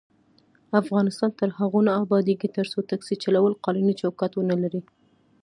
افغانستان تر هغو نه ابادیږي، ترڅو ټکسي چلول قانوني چوکاټ ونه لري.